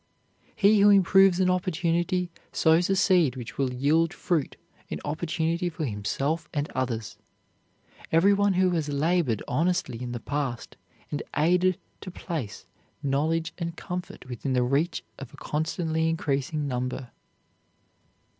He who improves an opportunity sows a seed which will yield fruit in opportunity for himself and others. Every one who has labored honestly in the past has aided to place knowledge and comfort within the reach of a constantly increasing number.